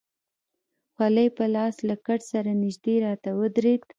خولۍ په لاس له کټ سره نژدې راته ودرېد.